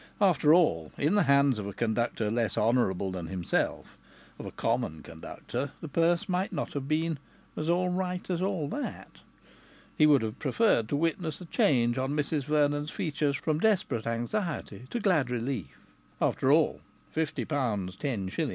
After all, in the hands of a conductor less honourable than himself, of a common conductor, the purse might not have been so "all right" as all that! He would have preferred to witness the change on Mrs Vernon's features from desperate anxiety to glad relief. After all, £50, 10s.